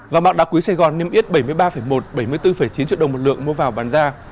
vàng bạc đá quý sài gòn niêm yết bảy mươi ba một bảy mươi bốn chín triệu đồng một lượng mua vào bán ra